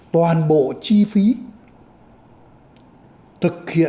toàn bộ chi phí